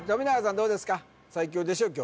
どうですか？